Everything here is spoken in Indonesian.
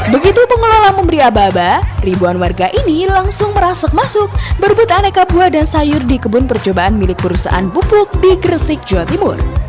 begitu pengelola memberi aba aba ribuan warga ini langsung merasak masuk berbut aneka buah dan sayur di kebun percobaan milik perusahaan pupuk di gresik jawa timur